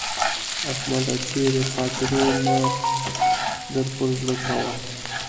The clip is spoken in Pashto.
احمده! تېرې خاطرې مه در پر زړه کوه.